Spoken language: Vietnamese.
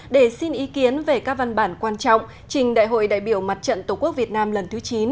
để xin ý kiến về các văn bản quan trọng trình đại hội đại biểu mặt trận tổ quốc việt nam lần thứ chín